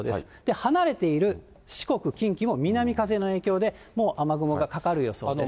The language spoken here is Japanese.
離れている四国、近畿も南風の影響で、もう雨雲がかかる予想です。